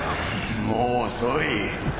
もう遅い！